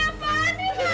ini apaan ini